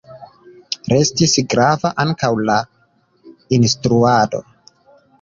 Restis grava ankaŭ la instruado.